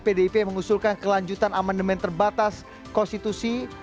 pdip mengusulkan kelanjutan amandemen terbatas konstitusi